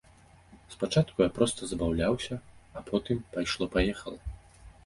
Спачатку я проста забаўляўся, а потым пайшло-паехала.